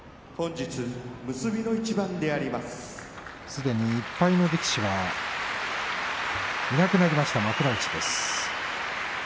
すでに１敗の力士はいなくなりました幕内です。